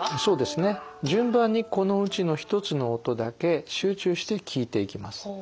順番にこのうちの１つの音だけ集中して聴いていきます。